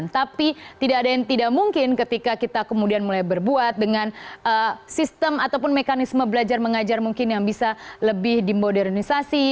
tapi tidak ada yang tidak mungkin ketika kita kemudian mulai berbuat dengan sistem ataupun mekanisme belajar mengajar mungkin yang bisa lebih dimodernisasi